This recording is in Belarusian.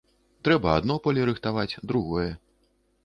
Трэба адно поле рыхтаваць, другое.